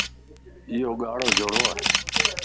ايو ڳارو جوڙو ا